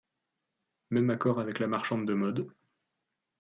Même accord avec la marchande de modes.